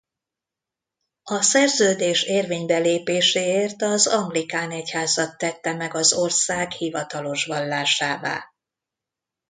A szerződés érvénybe lépéséért az anglikán egyházat tette meg az ország hivatalos vallásává.